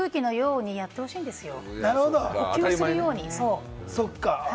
だから空気のようにやってほしいんですよ。